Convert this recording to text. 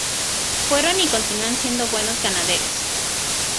Fueron y continúan siendo buenos ganaderos.